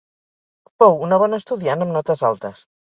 Fou una bona estudiant amb notes altes.